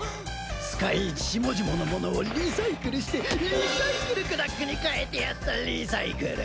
使えん下々の者をリサイクルしてリサイクルクダックに変えてやったリサイクル。